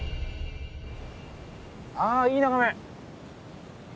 あいい眺め。